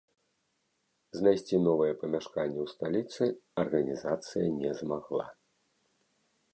Знайсці новае памяшканне ў сталіцы арганізацыя не змагла.